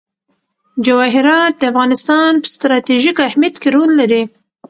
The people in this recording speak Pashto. جواهرات د افغانستان په ستراتیژیک اهمیت کې رول لري.